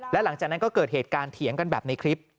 และหลังจากนั้นก็เกิดเหตุการณ์เถียงกันแบบในคลิป